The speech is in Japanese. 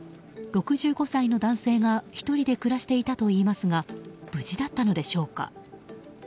６５歳の男性が１人で暮らしていたといいますが無事だったのでしょうか。